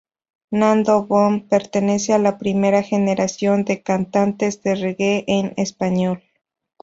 Nando Boom pertenece a la primera generación de cantantes de reggae en español.